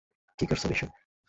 কী করছো, বিশু?